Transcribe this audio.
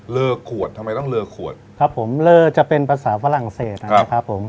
ขวดทำไมต้องเลอขวดครับผมเลอจะเป็นภาษาฝรั่งเศสนะครับผม